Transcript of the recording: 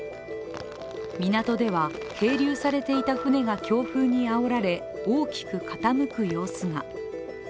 港では係留されていた船が強風にあおられ大きく傾く様子が。